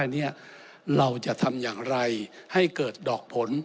ที่มีโอกาสเสี่ยงได้เราจะทำอย่างไรให้เกิดดอกผล